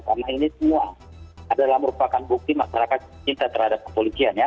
karena ini semua adalah merupakan bukti masyarakat minta terhadap kepolisian ya